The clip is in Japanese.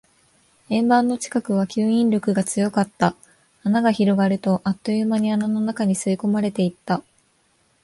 円盤の近くは吸引力が強かった。穴が広がると、あっという間に穴の中に吸い込まれていった。